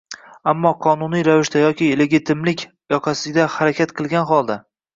Ammo qonuniy ravishda yoki legitimlik yoqasida harakat qilgan holda